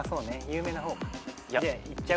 有名な方か。